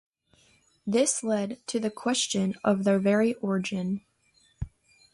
This led to the question of their very origin.